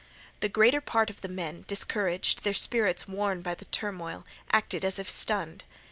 The greater part of the men, discouraged, their spirits worn by the turmoil, acted as if stunned.